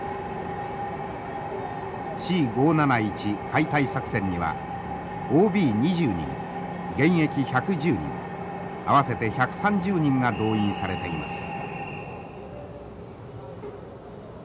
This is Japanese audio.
解体作戦にはＯＢ２０人現役１１０人合わせて１３０人が動員されています。